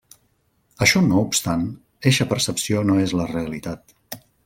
Això no obstant, eixa percepció no és la realitat.